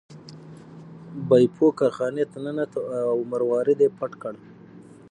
بیپو کارخانې ته ننوت او مروارید یې پټ کړ.